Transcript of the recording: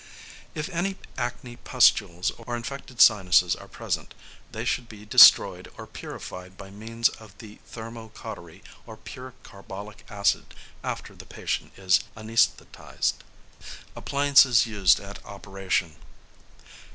If any acne pustules or infected sinuses are present, they should be destroyed or purified by means of the thermo cautery or pure carbolic acid, after the patient is anæsthetised. #Appliances used at Operation.